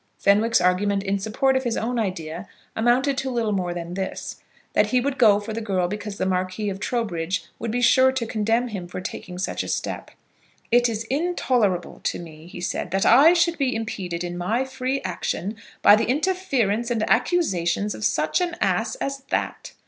Fenwick's argument in support of his own idea amounted to little more than this, that he would go for the girl because the Marquis of Trowbridge would be sure to condemn him for taking such a step. "It is intolerable to me," he said, "that I should be impeded in my free action by the interference and accusations of such an ass as that."